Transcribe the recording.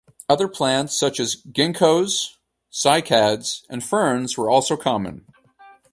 Other plants, such as ginkgoes, cycads, and ferns were also common.